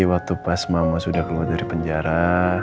waktu pas mama sudah keluar dari penjara